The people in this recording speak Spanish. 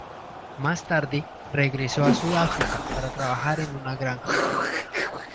Más tarde, regresó a Sudáfrica para trabajar en una granja.